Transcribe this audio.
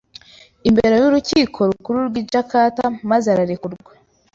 imbere y Urukiko Rukuru rw i Jakarta maze ararekurwa